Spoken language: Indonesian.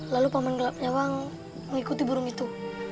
lalu paman nyawang mengikuti burung itu